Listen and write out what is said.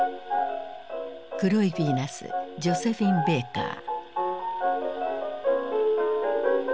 黒いビーナスジョセフィン・ベーカー。